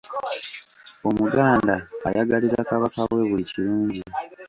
Omuganda ayagaliza Kabaka we buli kirungi.